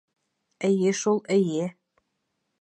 — Эйе шул, эйе...